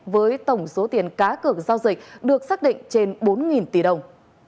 với tổng số tiền cá cược giao dịch được xác định trên bốn tỷ đồng